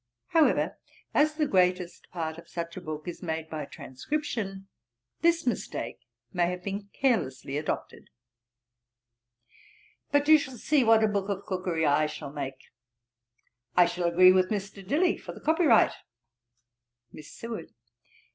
However, as the greatest part of such a book is made by transcription, this mistake may have been carelessly adopted. But you shall see what a Book of Cookery I shall make! I shall agree with Mr. Dilly for the copy right.' Miss SEWARD.